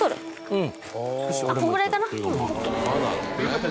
うん。